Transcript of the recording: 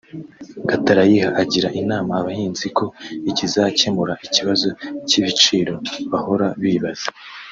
Gatarayiha agira inama abahinzi ko ikizakemura ikibazo cy’ibiciro bahora bibaza